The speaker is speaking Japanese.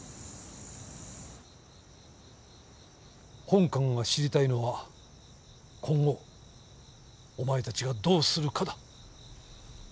本官が知りたいのは今後お前たちがどうするかだ。